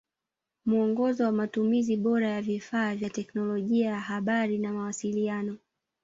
Muongozo wa Matumizi bora ya vifaa vya teknolojia ya habari na mawasiliano